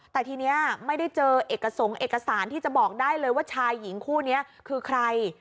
แต่ทีนี้ไม่ได้เจอเอกสงค์เอกสารที่จะบอกได้เลยว่าชายหญิงคู่นี้คือใคร